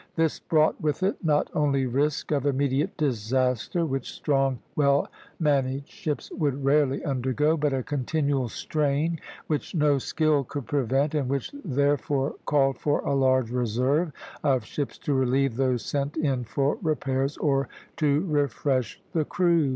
This brought with it not only risk of immediate disaster, which strong, well managed ships would rarely undergo, but a continual strain which no skill could prevent, and which therefore called for a large reserve of ships to relieve those sent in for repairs, or to refresh the crews.